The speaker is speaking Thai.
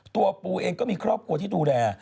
ปูเองก็มีครอบครัวที่ดูแล